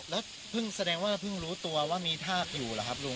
แล้วเพิ่งแสดงว่าเพิ่งรู้ตัวว่ามีทากอยู่หรือครับลุง